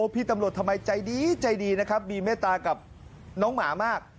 พี่ตำรวจทำไมใจดีใจดีนะครับมีเมตตากับน้องหมามาก